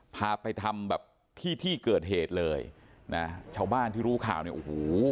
พาไปทำแบบที่ที่เกิดเหตุเลยนะชาวบ้านที่รู้ข่าวเนี่ยโอ้โห